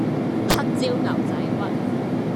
黑椒牛仔骨